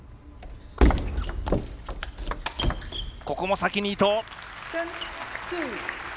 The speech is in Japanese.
ここも先に伊藤。